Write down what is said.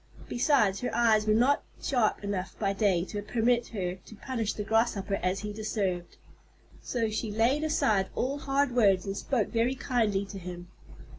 Besides, her eyes were not sharp enough by day to permit her to punish the Grasshopper as he deserved. So she laid aside all hard words and spoke very kindly to him.